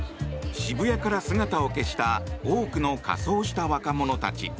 渋谷から姿を消した多くの仮装した若者たち。